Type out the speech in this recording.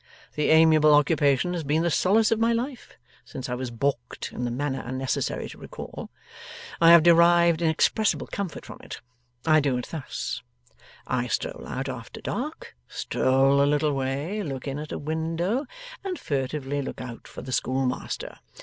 The amiable occupation has been the solace of my life, since I was baulked in the manner unnecessary to recall. I have derived inexpressible comfort from it. I do it thus: I stroll out after dark, stroll a little way, look in at a window and furtively look out for the schoolmaster.